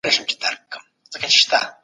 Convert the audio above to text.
کار باید بیا تنظیم شي.